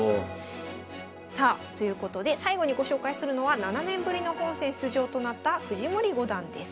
さあということで最後にご紹介するのは７年ぶりの本戦出場となった藤森五段です。